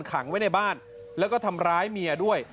ขังไว้ในบ้านแล้วก็ทำร้ายเมียด้วย